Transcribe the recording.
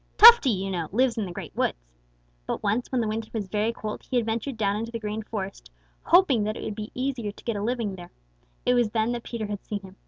Tufty, you know, lives in the Great Woods. But once, when the winter was very cold, he had ventured down into the Green Forest, hoping that it would be easier to get a living there. It was then that Peter had seen him.